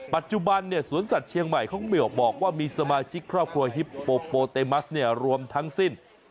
ปัจจุบันสวนสัตว์เชียงใหม่เขาไม่ออกบอกว่ามีสมาชิกครอบครัวฮิปโปโปเตมัสรวมทั้งสิ้น